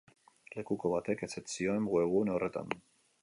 Lekuko batek ezetz zioen webgune horretan.